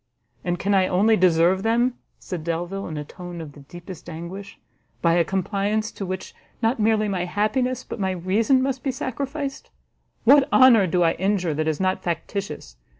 "And can I only deserve them," said Delvile, in a tone of the deepest anguish, "by a compliance to which not merely my happiness, but my reason must be sacrificed? What honour do I injure that is not factitious?